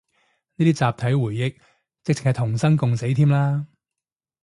呢啲集體回憶，直程係同生共死添啦